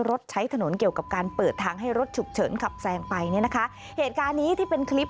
รถใช้ถนนเกี่ยวกับการเปิดทางให้รถฉุกเฉินขับแซงไปเนี่ยนะคะเหตุการณ์นี้ที่เป็นคลิป